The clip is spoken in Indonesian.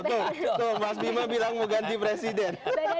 tuh mas bima bilang mau ganti presiden